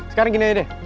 sekarang gini aja deh